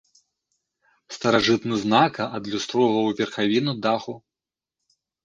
Старажытны знака адлюстроўваў верхавіну даху.